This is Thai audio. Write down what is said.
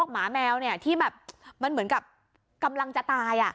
มันเหมือนกับกำลังจะตาย